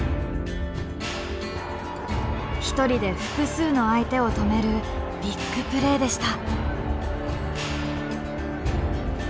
一人で複数の相手を止めるビッグプレーでした。